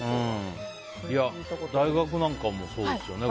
大学なんかもそうですよね。